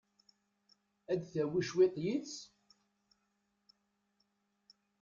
Ad tawi cwiṭ yid-s?